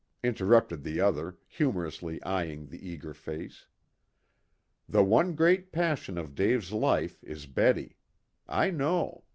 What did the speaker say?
interrupted the other, humorously eyeing the eager face. "The one great passion of Dave's life is Betty. I know.